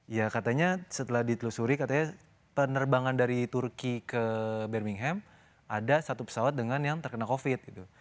ya katanya setelah ditelusuri katanya penerbangan dari turki ke bermingham ada satu pesawat dengan yang terkena covid gitu